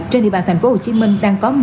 trên địa bàn tp hcm đang có